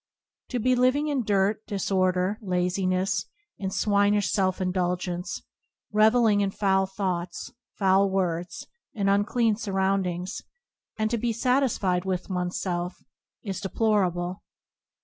To be living in dirt, disorder, laziness, and swinish self indulgence, revel ling in foul thoughts, foul words, and un clean surroundings, and to be satisfied with oneself, is deplorable.